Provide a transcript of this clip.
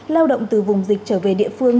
lao động từ vùng dịch trở về địa phương